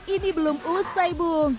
ini belum usai bung